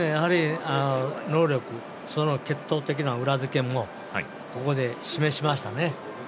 能力、血統的な裏付けもここで示しましたね。